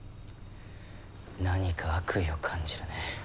何か悪意を感じるね。